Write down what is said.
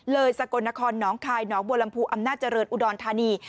เลยสกลนครน้องคายน้องบัวลำพูอำนาจริงอุดรธานี